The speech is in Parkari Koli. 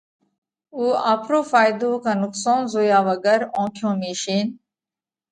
ان آپرو ڦائيۮو ڪا نُقصون زويا وڳر اونکيون ميشينَ